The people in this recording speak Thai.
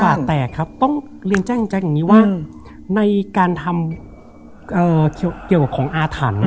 มีบาดแตกครับต้องเรียนใจอย่างนี้ว่าในการทำเกี่ยวกับของอาถรรพ์